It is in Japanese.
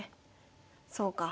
そうか。